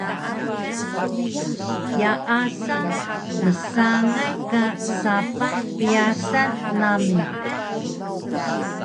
Yaasa msangay ka sapah pyasan nami